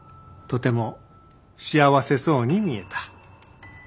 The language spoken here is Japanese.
とても幸せそうに見えた。